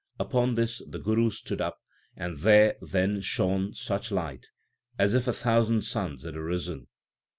Upon this the Guru stood up, and there then shone such light as if a thousand suns had arisen.